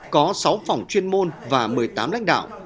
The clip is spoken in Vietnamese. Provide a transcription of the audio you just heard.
có sáu phòng chuyên môn và một mươi tám lãnh đạo